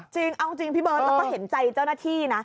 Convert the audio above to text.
จริงเอาจริงพี่เบิร์ตแล้วก็เห็นใจเจ้าหน้าที่นะ